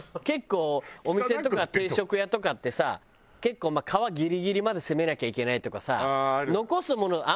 結構お店とか定食屋とかってさ結構皮ギリギリまで攻めなきゃいけないとかさ残すもの